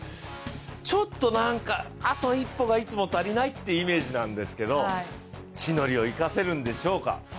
ちょっとなんかあと一歩がいつも足りないっていうイメージなんですけど地の利を生かせるんでしょうか。